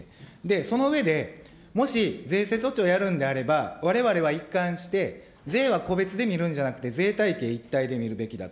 その上で、もし税制措置をやるんであれば、われわれは一貫して、税は個別で見るんじゃなくて、税体系一体で見るべきだと。